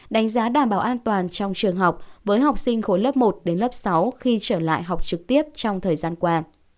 đánh giá đảm bảo an toàn trong trường học với học sinh khối lớp một đến lớp sáu khi trở lại học trực tiếp trong thời gian qua